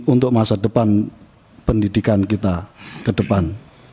untuk masa depan pendidikan kita ke depan